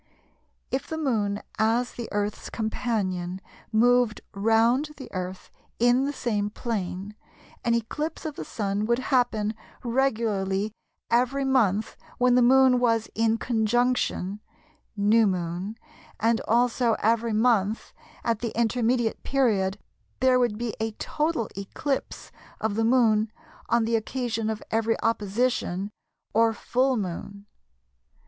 If the Moon as the Earth's companion moved round the Earth in the same plane, an eclipse of the Sun would happen regularly every month when the Moon was in "Conjunction" ("New Moon"), and also every month at the intermediate period there would be a total eclipse of the Moon on the occasion of every "Opposition" (or "Full Moon").